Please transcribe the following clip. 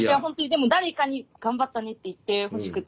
でも誰かに頑張ったねって言ってほしくて。